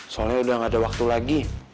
soalnya udah gak ada waktu lagi